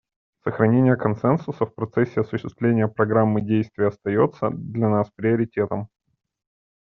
Сохранение консенсуса в процессе осуществления Программы действий остается для нас приоритетом.